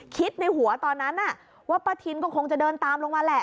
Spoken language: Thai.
ในหัวตอนนั้นว่าป้าทินก็คงจะเดินตามลงมาแหละ